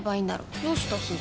どうしたすず？